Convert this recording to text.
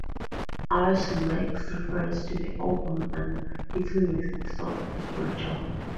Aerosmith make reference to the album and its lyrics in the song "Legendary Child".